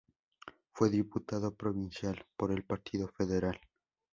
Fue diputado provincial, por el partido federal.